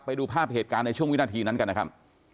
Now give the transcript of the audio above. ไปดูภาพเหตุการณ์ในช่วงวินาทีนั้นกันนะครับ